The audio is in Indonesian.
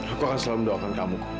aku akan selalu mendoakan kamu